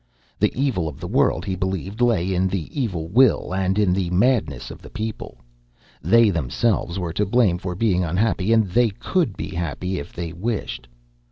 The evil of the world, he believed, lay in the evil will and in the madness of the people. They themselves were to blame for being unhappy, and they could be happy if they wished.